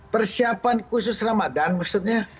persiapan khusus ramadan maksudnya